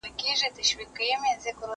زه به کتابتون ته راغلی وي،